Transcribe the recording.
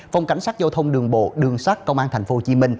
phòng cảnh sát giao thông đường bộ đường sát công an tp hcm